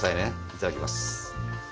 いただきます。